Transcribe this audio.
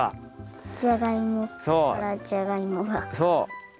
そう。